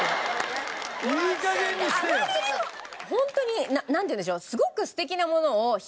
ホントになんていうんでしょう。